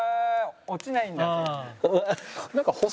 「落ちないんだ」